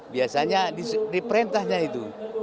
biasanya di perintahnya itu